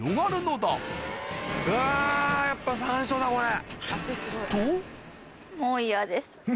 やっぱ山椒だこれ。